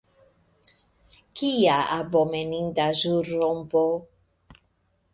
Kia abomeninda ĵurrompo!